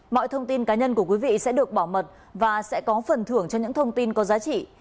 mọi thông tin cá nhân của quý vị sẽ được bảo mật và sẽ có phần thưởng cho những thông tin có giá trị